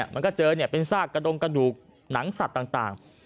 มันก็เจอเป็นซากกระดงกระดูกหนังสัตว์ต่าง